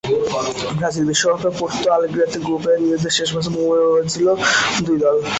Brazil বিশ্বকাপেও Porto অ্যালেগ্রেতে গ্রুপে নিজেদের শেষ ম্যাচে মুখোমুখি হয়েছিল দুই দল।